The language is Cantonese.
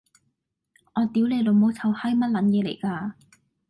我屌你老母臭閪，咩撚嘢嚟㗎？